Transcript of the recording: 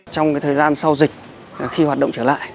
trong thời gian sau dịch khi hoạt động trở lại